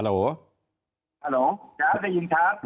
ฮัลโหลเจ้าได้ยินครับ